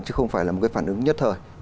chứ không phải là một cái phản ứng nhất thời